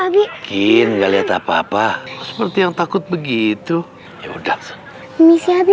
bikin nggak lihat apa apa seperti yang takut begitu ya udah inisiatif